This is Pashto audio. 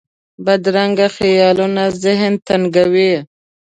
بدرنګه خیالونه ذهن تنګوي